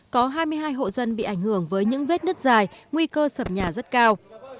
có hai mươi hai hộ dân bị ảnh hưởng với những vết nứt dài nguy cơ sập nhà rất cao